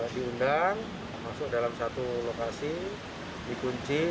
diundang masuk dalam satu lokasi dikunci